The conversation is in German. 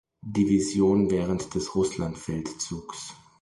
Division während des Russlandfeldzugs.